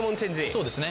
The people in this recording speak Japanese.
そうですね。